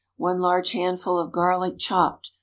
} 1 large handful of garlic, chopped.